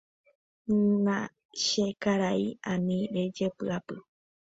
Na che karai, ani rejepy'apy.